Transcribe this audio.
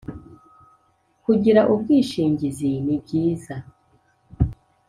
Kugira ubwishingizi nibyiza